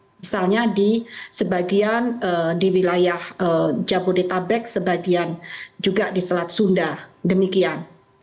misalnya di sebagian di wilayah jabodetabek sebagian juga di selat sunda demikian